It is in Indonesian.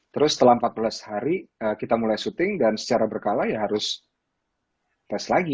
terus setelah empat belas hari kita mulai syuting dan secara berkala ya harus tes lagi